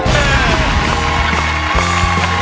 กิเลนพยองครับ